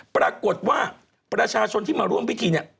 ปรากฏว่าประชาชนที่มาร่วมพิธีเนี่ย